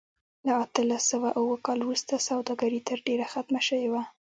له اتلس سوه اووه کال وروسته سوداګري تر ډېره ختمه شوې وه.